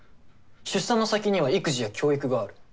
出産の先には育児や教育がある。